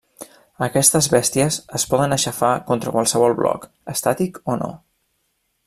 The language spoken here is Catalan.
Aquestes bèsties es poden aixafar contra qualsevol bloc, estàtic o no.